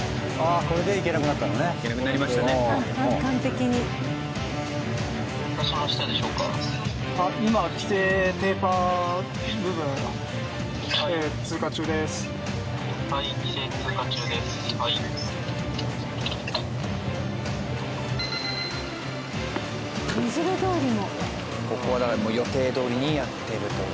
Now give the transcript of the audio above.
ここはだからもう予定どおりにやってるって事なんですね。